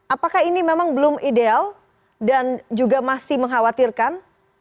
apakah ini memang belum ideal dan juga masih mengkhawatirkan